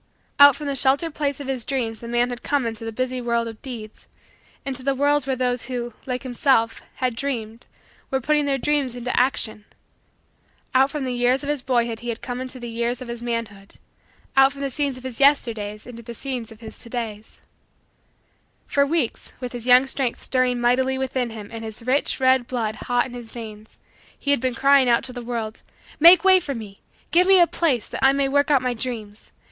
Out from the sheltered place of his dreams the man had come into the busy world of deeds into the world where those who, like himself, had dreamed, were putting their dreams into action. Out from the years of his boyhood he had come into the years of his manhood out from the scenes of his Yesterdays into the scenes of his to days. For weeks, with his young strength stirring mightily within him and his rich, red, blood hot in his veins, he had been crying out to the world: "Make way for me. Give me a place that I may work out my dreams.